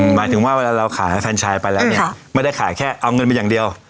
หมายถึงว่าเวลาเราขายแฟนชายไปแล้วเนี่ยไม่ได้ขายแค่เอาเงินมาอย่างเดียว